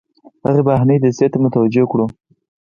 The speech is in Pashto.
هغې بهرنۍ دسیسې ته متوجه کړو.